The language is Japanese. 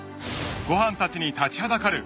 ［悟飯たちに立ちはだかる］